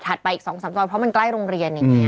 ไปอีก๒๓ซอยเพราะมันใกล้โรงเรียนอย่างนี้